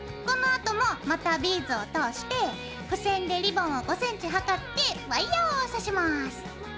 このあともまたビーズを通して付箋でリボンを５ｃｍはかってワイヤーを刺します。